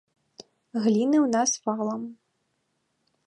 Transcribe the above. Гліны ў нас валам.